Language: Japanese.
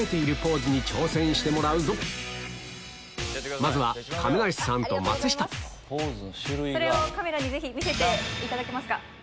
まずは亀梨さんと松下それをカメラにぜひ見せていただけますか。